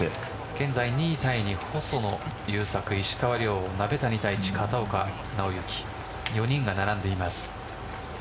現在２位タイに細野勇策石川遼、鍋谷太一、片岡尚之４人が並んでいます。